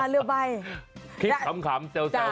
เรือใบคลิปขำเซลล์กัน